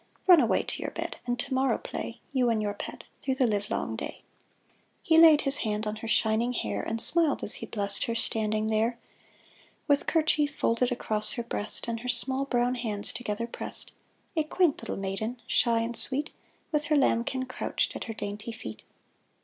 Run away to your bed, and to morrow play, You and your pet, through the livelong day." He laid his hand on her shining hair. And smiled as he blessed her, standing there. With kerchief folded across her breast, And her small brown hands together pressed, A quaint little maiden, shy and sweet, With her lambkin crouched at her dainty feet.